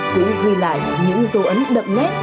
cũng ghi lại những dấu ấn đậm nét